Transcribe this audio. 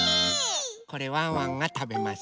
これワンワンがたべます。